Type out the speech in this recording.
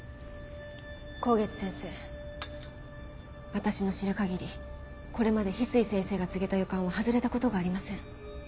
私の知る限りこれまで翡翠先生が告げた予感は外れたことがありません。